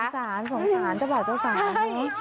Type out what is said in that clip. สงสารสงสารเจ้าบ่าวเจ้าสาวไหม